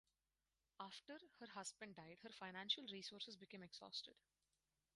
After her husband died her financial resources became exhausted.